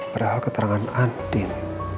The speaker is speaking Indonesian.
padahal keterangan andin